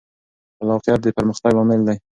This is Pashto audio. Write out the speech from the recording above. خلاقیت د پرمختګ لامل دی.